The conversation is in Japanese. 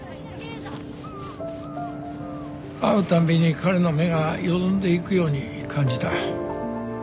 会うたんびに彼の目がよどんでいくように感じた。